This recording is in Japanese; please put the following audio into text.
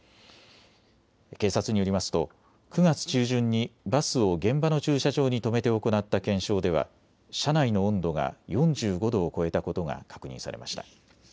警察によりますと９月中旬にバスを現場の駐車場に止めて行った検証では車内の温度が４５度を超えたことが確認されました。